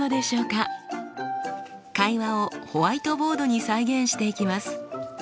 会話をホワイトボードに再現していきます。